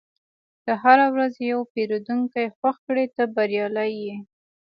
که هره ورځ یو پیرودونکی خوښ کړې، ته بریالی یې.